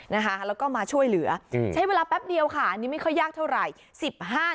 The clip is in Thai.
แล้วก็มาช่วยเหลือใช้เวลาแป๊บเดียวค่ะอันนี้ไม่ค่อยยากเท่าไหร่